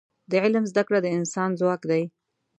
د علم زده کړه د انسان ځواک دی.